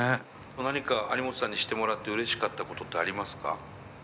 何かアリモトさんにしてもらってうれしかったことってありますか？